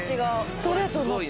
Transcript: ストレートになった。